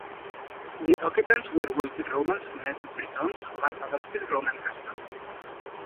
The occupants were wealthy Romans or native Britons who had adopted Roman customs.